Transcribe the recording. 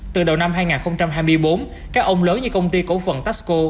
từ đầu năm hai nghìn hai mươi bốn các ông lớn như công ty cổ phần taxco